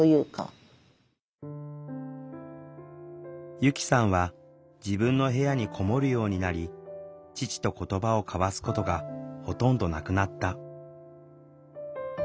由希さんは自分の部屋に籠もるようになり父と言葉を交わすことがほとんどなくなった。